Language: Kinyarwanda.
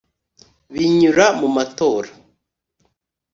binyura mu matora.